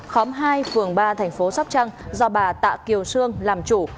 khóm hai phường ba tp sóc trăng do bà tạ kiều sương làm chủ